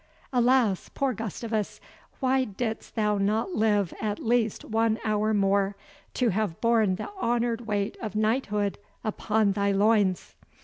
Alas! poor Gustavus, why didst thou not live at least one hour more, to have borne the honoured weight of knighthood upon thy loins!"